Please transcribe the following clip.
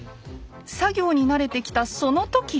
作業に慣れてきたその時。